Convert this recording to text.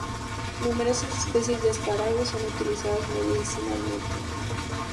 Numerosas especies de "Asparagus" son utilizadas medicinalmente.